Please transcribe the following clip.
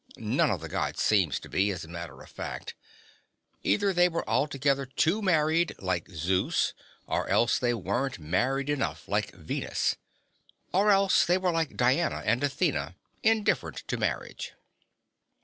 None of the Gods seemed to be, as a matter of fact. Either they were altogether too married, like Zeus, or else they weren't married enough, like Venus. Or else they were like Diana and Athena, indifferent to marriage.